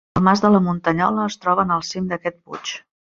El Mas de la Muntanyola es troba en el cim d'aquest puig.